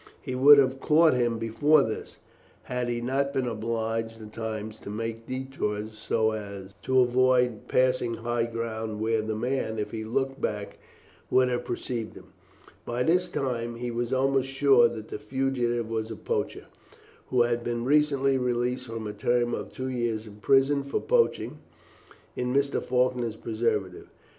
He would have caught him before this, had he not been obliged at times to make detours so as to avoid passing high ground, where the man, if he looked back, would have perceived him. By this time he was almost sure that the fugitive was a poacher, who had been recently released from a term of two years in prison for poaching in Mr. Faulkner's preserves.